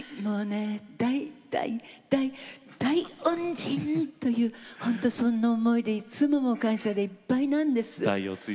大大大恩人という本当にそんな思いでいつも感謝でいっぱいなんです。